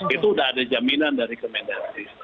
itu sudah ada jaminan dari kemendagri